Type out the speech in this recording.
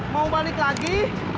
mau balik lagi